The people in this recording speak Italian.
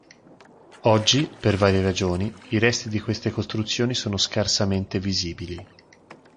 Oggi, per varie ragioni, i resti di queste costruzioni sono scarsamente visibili.